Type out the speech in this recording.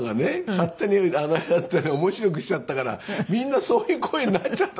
勝手にやって面白くしちゃったからみんなそういう声になっちゃった。